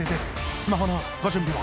スマホのご準備を。